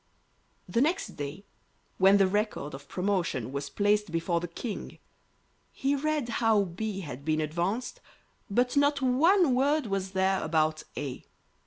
The next day, when the record of promotions was placed before the King, he read how B had been advanced, but not one word was there about A.